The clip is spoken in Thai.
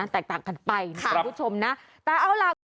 แตกต่างกันไปค่ะคุณผู้ชมนะแต่เอาล่ะ